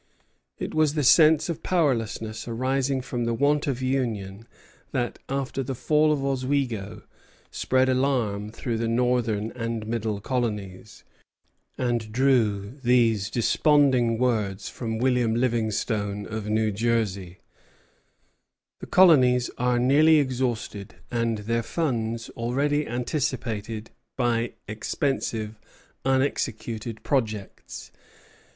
It was the sense of powerlessness arising from the want of union that, after the fall of Oswego, spread alarm through the northern and middle colonies, and drew these desponding words from William Livingston, of New Jersey: "The colonies are nearly exhausted, and their funds already anticipated by expensive unexecuted projects.